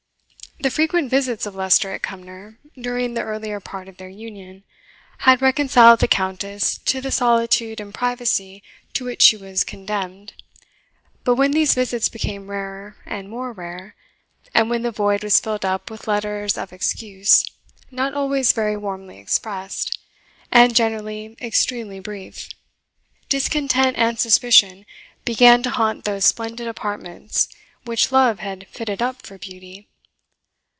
The frequent visits of Leicester at Cumnor, during the earlier part of their union, had reconciled the Countess to the solitude and privacy to which she was condemned; but when these visits became rarer and more rare, and when the void was filled up with letters of excuse, not always very warmly expressed, and generally extremely brief, discontent and suspicion began to haunt those splendid apartments which love had fitted up for beauty.